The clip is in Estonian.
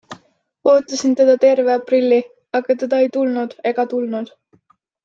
Ootasin teda terve aprilli, aga teda ei tulnud ega tulnud.